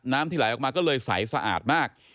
ที่ไหลออกมาก็เลยใสสะอาดมาก